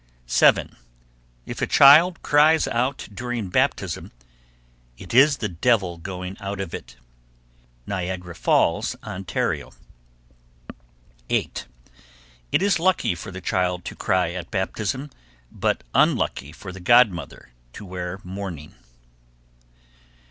7. If a child cries during baptism, it is the devil going out of it. Niagara Falls, Ont. 8. It is lucky for the child to cry at baptism, but unlucky for the godmother to wear mourning.